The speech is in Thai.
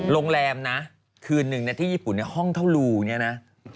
โรงแรมนะคืนนึงนะที่ญี่ปุ่นห้องเท่ารูเนี่ยนะ